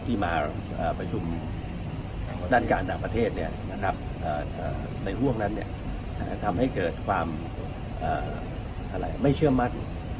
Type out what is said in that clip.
ที่มาประชุมด้านการต่างประเทศในห่วงนั้นทำให้เกิดความไม่เชื่อมั่น